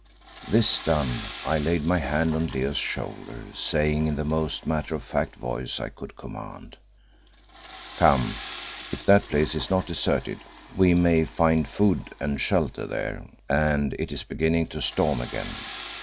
This done, I laid my hand on Leo's shoulder, saying, in the most matter of fact voice I could command "Come. If that place is not deserted, we may find food and shelter there, and it is beginning to storm again."